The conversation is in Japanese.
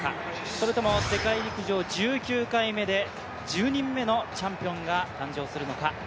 それとも世界陸上１９回目で１０人目のチャンピオンが誕生するのか。